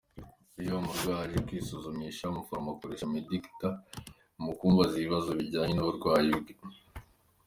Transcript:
Iyo umurwayi aje kwisuzumisha, umuforomo akoresha Medikta mu kumubaza ibibazo bijyanye n’uburwayi bwe.